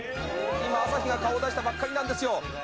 今、朝日が顔を出したばっかりなんですよ。